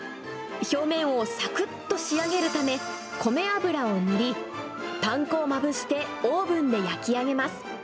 表面をさくっと仕上げるため、米油を塗り、パン粉をまぶして、オーブンで焼き上げます。